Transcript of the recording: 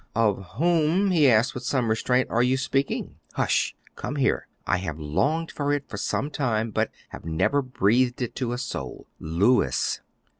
"Of whom," he asked with some restraint, "are you speaking?" "Hush! Come here; I have longed for it for some time, but have never breathed it to a soul, Louis."